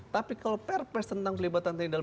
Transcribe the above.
tapi kalau perpres tentang pelibatan tni dalam